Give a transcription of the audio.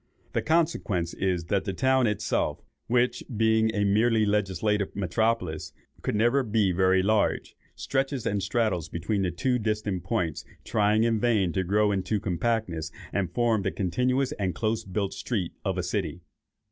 The consequence is, that the town itself, which, being a merely legislative metropolis, could never be very large, stretches and straddles between these two distant points, trying in vain to grow into compactness, and form the continuous and close built street of a city.